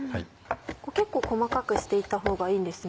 結構細かくしていった方がいいんですね？